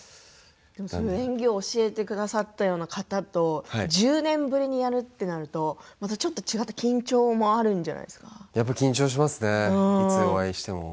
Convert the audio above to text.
演技を教えてくださったような方と１０年ぶりにやるとなるとまたちょっと違った緊張もあるんやっぱり緊張しますね